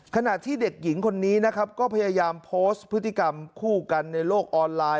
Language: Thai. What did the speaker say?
ขณะที่เด็กหญิงคนนี้นะครับก็พยายามโพสต์พฤติกรรมคู่กันในโลกออนไลน